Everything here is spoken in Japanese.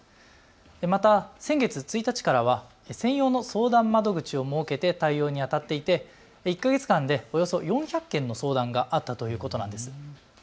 また先月１日からは専用の相談窓口を設けて対応にあたっていて１か月間でおよそ４００件の相談があったということなんです。